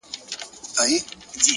د زړه كاڼى مــي پــر لاره دى لــوېـدلى’